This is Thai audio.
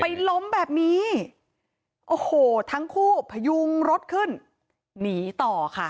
ล้มแบบนี้โอ้โหทั้งคู่พยุงรถขึ้นหนีต่อค่ะ